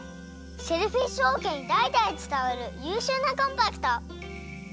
シェルフィッシュおうけにだいだいつたわるゆうしゅうなコンパクト！